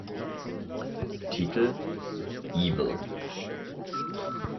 Titel: "Evil.